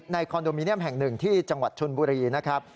คอนโดมิเนียมแห่งหนึ่งที่จังหวัดชนบุรีนะครับ